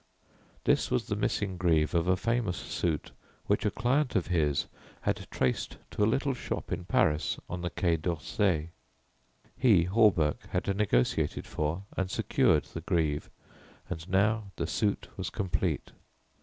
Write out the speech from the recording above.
This was the missing greave of a famous suit which a client of his had traced to a little shop in Paris on the Quai d'Orsay. He, Hawberk, had negotiated for and secured the greave, and now the suit was complete.